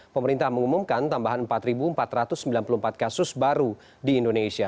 pemerintah mengumumkan tambahan empat empat ratus sembilan puluh empat kasus baru di indonesia